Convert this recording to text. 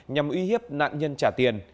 nhằm uy hiếp nạn nhân trả tiền